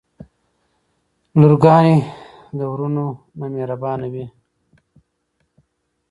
لورګانې د وروڼه نه مهربانې وی.